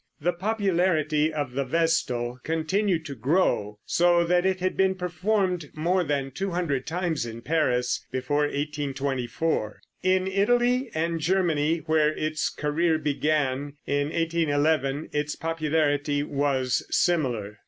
The popularity of "The Vestal" continued to grow, so that it had been performed more than 200 times in Paris before 1824. In Italy and Germany, where its career began, in 1811, its popularity was similar.